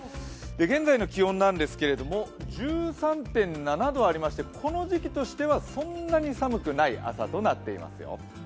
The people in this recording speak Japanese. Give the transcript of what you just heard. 現在の気温なんですけど、１３．７度あってこの時期としてはそんなに寒くない朝となっていますよ。